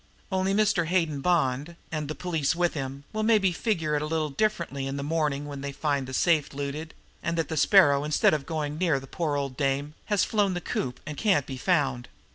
Only Mr. Hayden Bond, and the police with him, will maybe figure it a little differently in the morning when they find the safe looted, and that the Sparrow, instead of ever going near the poor old dame, has flown the coop and can't be found.